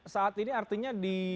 saat ini artinya di